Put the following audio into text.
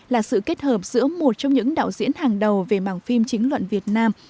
là sự kết hợp giữa một trong những đạo diễn hàng đầu về mảng phim chính luận việt nam